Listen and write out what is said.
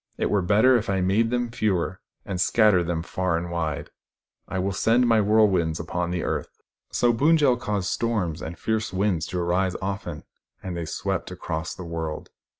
It were better if I made them fewer, and scattered them far and wide. I will send my whirlwinds upon the earth." So Pund jel caused storms and fierce winds to arise often, and they swept across the world.